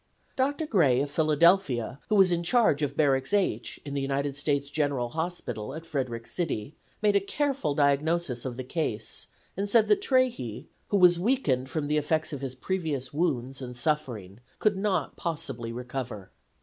Dr. Gray, of Philadelphia, who was in charge of Barracks H, in the United States General Hospital, at Frederick City, made a careful diagnosis of the case and said that Trahey, who was weakened from the effects of his previous wounds and suffering, could not possibly recover.